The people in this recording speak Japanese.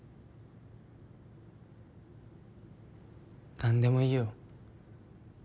何でもいいよ。